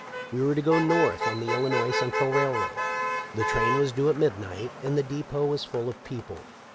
We were to go north on the Illinois Central railroad. The train was due at midnight, and the depot was full of people.